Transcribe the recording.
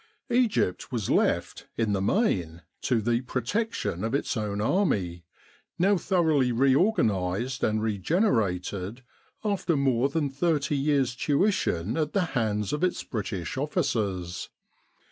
Egypt was left, in the main, to the protection of its own army, now thoroughly reorganised and re generated after more than thirty years' tuition at the hands of its British officers.